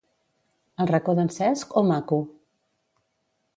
El Racó d'en Cesc o Mako?